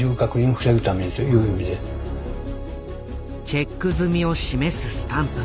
チェック済みを示すスタンプ。